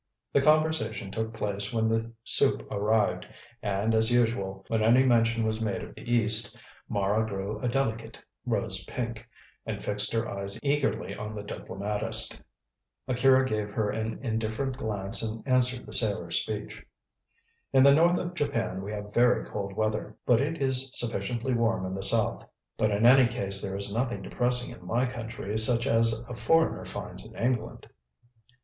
The conversation took place when the soup arrived, and, as usual, when any mention was made of the East, Mara grew a delicate rose pink, and fixed her eyes eagerly on the diplomatist. Akira gave her an indifferent glance and answered the sailor's speech. "In the north of Japan we have very cold weather, but it is sufficiently warm in the south. But in any case, there is nothing depressing in my country, such as a foreigner finds in England."